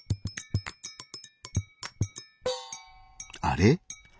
あれ？